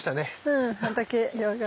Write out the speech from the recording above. うん畑両側。